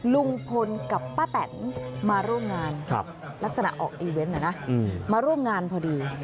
ลุงพลกับป้าแตนมาร่วมงานลักษณะออกอีเวนต์มาร่วมงานพอดี